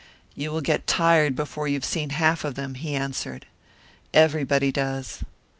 "You will get tired before you have seen half of them," he answered. "Everybody does."